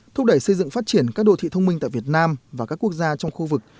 thúc đẩy xây dựng phát triển các đô thị thông minh tại việt nam và các quốc gia trong khu vực